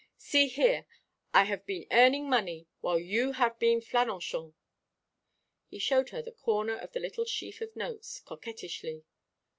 See here, I have been earning money while you have been flânochant." He showed her the corner of the little sheaf of notes, coquettishly.